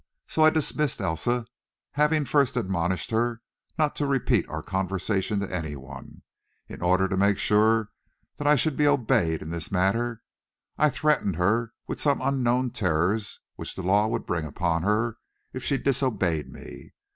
So I dismissed Elsa, having first admonished her not to repeat our conversation to any one. In order to make sure that I should be obeyed in this matter, I threatened her with some unknown terrors which the law would bring upon her if she disobeyed me.